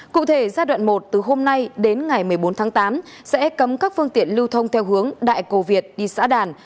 cụ thể giai đoạn một từ hôm nay đến ngày một mươi bốn tháng tám sẽ cấm các phương tiện lưu thông theo hướng đại cầu việt đi xã đàn